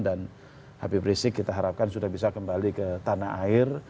dan habib rizieq kita harapkan sudah bisa kembali ke tanah air